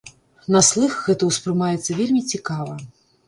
На слых гэта ўспрымаецца вельмі цікава.